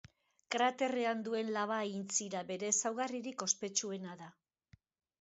Kraterrean duen laba-aintzira bere ezaugarririk ospetsuena da.